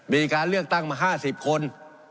มีการเลือกตั้งมา๕๐คน